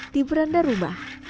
tiburan dan rumah